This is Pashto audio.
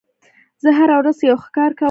زه هره ورځ یو ښه کار کوم.